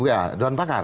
iya dewan pakar